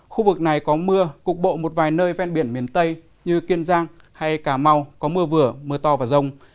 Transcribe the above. khu vực này có mưa cục bộ một vài nơi ven biển miền tây như kiên giang hay cà mau có mưa vừa mưa to và rông